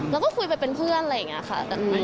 แล้วก็คุยไปเป็นเพื่อนอะไรอย่างนี้ค่ะ